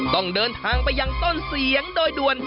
ต้องเดินทางไปยังต้นเสียงโดยด่วน